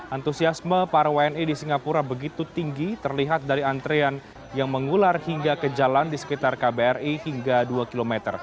antusiasme para wni di singapura begitu tinggi terlihat dari antrean yang mengular hingga ke jalan di sekitar kbri hingga dua km